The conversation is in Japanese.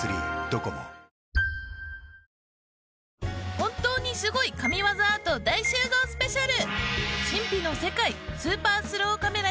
本当にすごい神技アート大集合スペシャル。